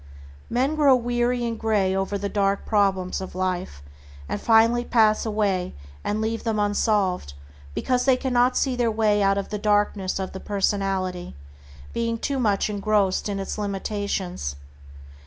Men grow weary and gray over the dark problems of life, and finally pass away and leave them unsolved because they cannot see their way out of the darkness of the personality, being too much engrossed in its limitations.